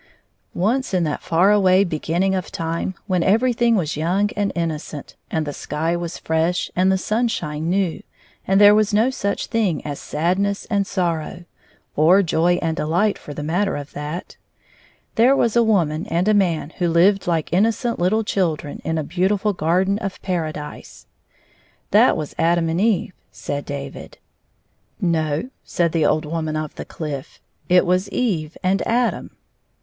Once in that fax away beginning of time when everylihing was young and innocent, and the sky was fresh, and the smishine new, and there was no such thing as sadness and sorrow (or joy and delight, for the matter of that), there was a woman and a man who hved Kke innocent little children in a beautiftd garden of paradise. " That was Adam and Eve," said David. "No," said the old woman of the cliff; "it was Eve and Adam."